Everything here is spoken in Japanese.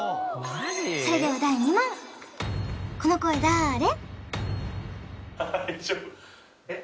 それでは第２問この声だーれ？